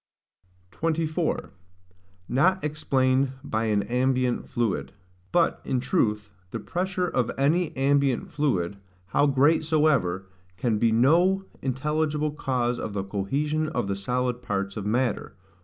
24. Not explained by an ambient fluid. But, in truth, the pressure of any ambient fluid, how great soever, can be no intelligible cause of the cohesion of the solid parts of matter.